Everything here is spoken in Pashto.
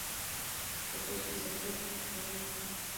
تر څو چې په سیاست کې خودخواهي وي، ملي ګټې تر پښو لاندې کېږي.